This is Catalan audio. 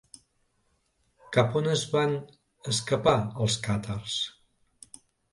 Cap on es van escapar els Càtars?